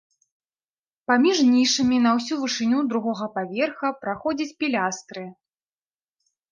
Паміж нішамі на ўсю вышыню другога паверха праходзяць пілястры.